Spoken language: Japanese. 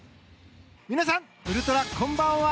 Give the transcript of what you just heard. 皆さん、ウルトラこんばんは！